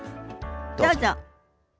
どうぞ。